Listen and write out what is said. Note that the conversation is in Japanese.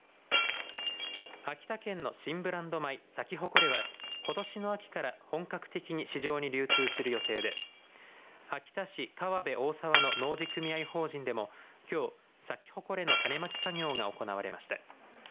秋田県の新ブランド米、サキホコレはことしの秋から本格的に市場に流通する予定で秋田市河辺大沢の農事組合法人でもきょう、サキホコレの種まき作業が行われました。